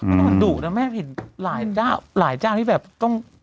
อืมอืมดุนะแม่เห็นหลายด้าหลายด้านที่แบบต้อง